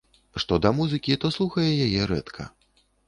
Што да музыкі, то слухае яе рэдка.